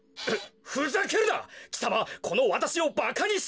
ふざけるな！